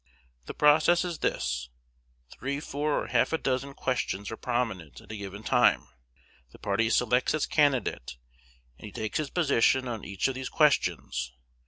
The process is this: Three, four, or half a dozen questions are prominent at a given time; the party selects its candidate, and he takes his position on each of these questions.